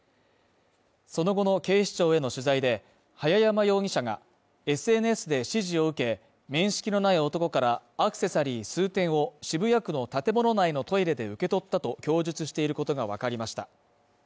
その後の警視庁への取材で早山容疑者がＳＮＳで指示を受け、面識のない男からアクセサリー数点を渋谷区の建物内のトイレで受け取ったと供述していることがわかりました。